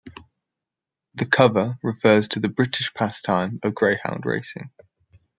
The cover refers to the British pastime of greyhound racing.